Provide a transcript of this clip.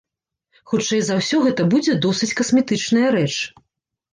Хутчэй за ўсё, гэта будзе досыць касметычная рэч.